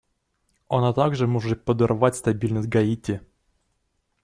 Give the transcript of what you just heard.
Она тоже может подорвать стабильность Гаити.